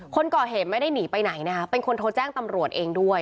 คนก่อเหตุไม่ได้หนีไปไหนนะคะเป็นคนโทรแจ้งตำรวจเองด้วย